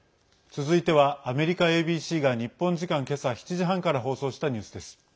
続いてはアメリカＡＢＣが日本時間、今朝７時半から放送したニュースです。